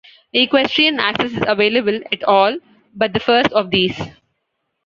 Equestrian access is available at all but the first of these.